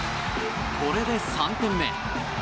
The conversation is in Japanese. これで３点目。